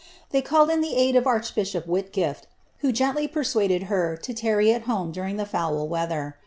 They called in the aid of archbishop Whilgifi, who genilv persuaded her lo tarry at home during the foul weather.